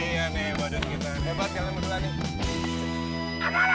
jangan ngecut ya